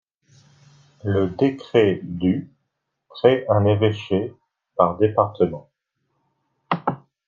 Le décret du crée un évêché par département.